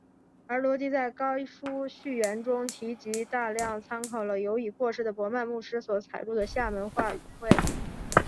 而罗啻在该书序言中提及大量参考了由已过世的博曼牧师所采录的厦门话语汇。